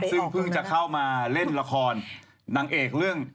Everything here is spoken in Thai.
ซึ่งเพิ่งจะเข้ามาเล่นละครนางเอกเรื่อง